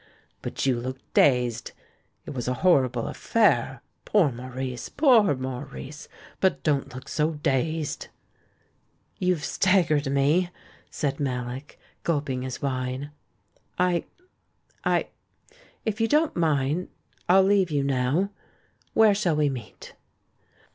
. But you look dazed. It was a horrible affair; poor Maurice! poor INIaurice! But don't look so dazed." "You've staggered me," said Mallock, gulping 808 THE MAN WHO UNDERSTOOD WOMEN his wine. "I — I — If you don't mind, I'll leave you now. Where shall we meet?"